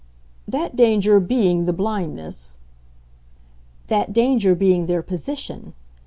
"That danger BEING the blindness ?" "That danger being their position.